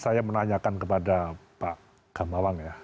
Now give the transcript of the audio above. saya mau menanyakan kepada pak gamawan ya